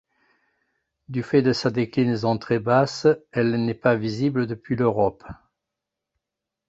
Du fait de sa déclinaison très basse, elle n'est pas visible depuis l'Europe.